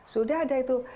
sudah ada itu